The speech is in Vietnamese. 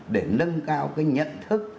để nâng cao cái nhận thức